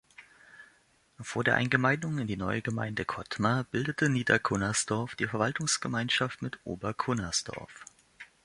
Vor der Eingemeindung in die neue Gemeinde Kottmar, bildete Niedercunnersdorf die Verwaltungsgemeinschaft mit Obercunnersdorf.